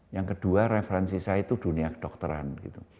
yang kedua referensi saya itu dunia kedokteran gitu